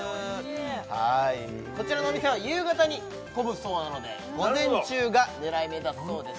はいこちらのお店は夕方に混むそうなので午前中が狙い目だそうです